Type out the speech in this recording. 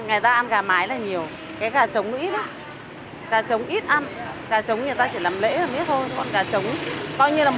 đặc biệt đây là cái quan trọng nhất của kê gà